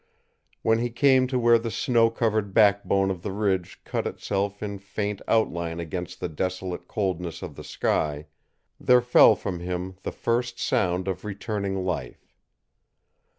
When he came to where the snow covered backbone of the ridge cut itself in faint outline against the desolate coldness of the sky, there fell from him the first sound of returning life.